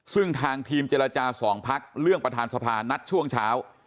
ซึ่งทางทีมเจรจา๒พักเรื่องประธานสภานัดช่วงเช้า